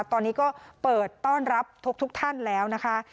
ตอนนี้ก็เปิดต้อนรับทุกท่านแล้วนะคะ